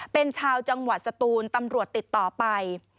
เป็นชาวจังหวัดสตูนตำรวจติดต่อไป